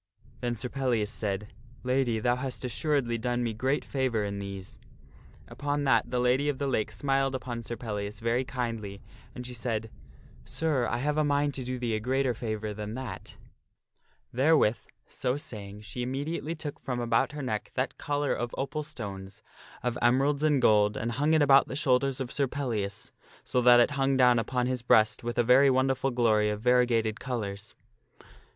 Then Sir Pellias said, " Lady, thou hast assuredly done me great favor in these." Upon that the Lady of the Lake smiled upon Sir Pellias very kindly, and she said, " Sir, I have a mind to do thee a greater favor than that." 212 THE STORY OF SIR PELLIAS The Lady of the Therewith, so saying, she immediately took from about her Lakegiveth Sir ne ck that collar of opal stones, of emeralds and gold, and hung lar of goldand it about the shoulders of Sir Pellias, so that it hung down upon jewels. his breast with a very wonderful glory of variegated colors.